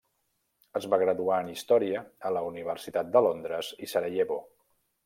Es va graduar en història a la Universitat de Londres i Sarajevo.